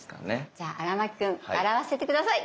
じゃあ荒牧君笑わせて下さい。